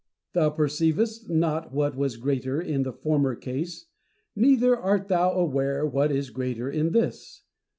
Thou preceivedst not what was greater in the former case, neither art thou aware what is greater in this.